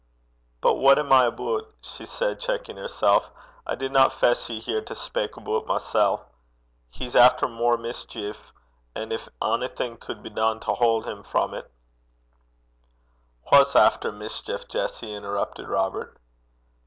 'But what am I aboot!' she said, checking herself. 'I didna fess ye here to speyk aboot mysel'. He's efter mair mischeef, and gin onything cud be dune to haud him frae 't ' 'Wha's efter mischeef, Jessie?' interrupted Robert.